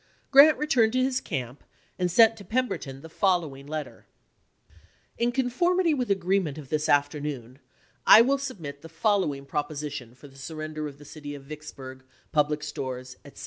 Grant returned to his camp, and sent juiy 3, 1863. to Pemberton the following letter: In conformity with agreement of this afternoon, I will submit the following proposition for the surrender of the city of Vicksburg, public stores, etc.